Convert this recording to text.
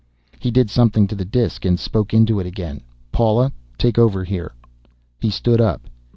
He did something to the disk and spoke into it again. "Paula, take over here." He stood up.